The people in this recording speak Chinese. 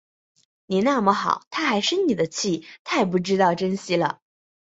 你那么好，她还生你的气，太不知道珍惜了